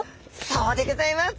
そうでギョざいます。